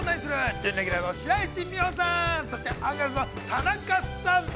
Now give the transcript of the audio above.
準レギュラーの白石美帆さん、そしてアンガールズの田中さん。